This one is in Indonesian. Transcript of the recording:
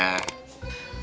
baik terima kasih pak